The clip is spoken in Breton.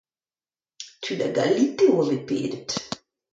Tud a galite a oa bet pedet.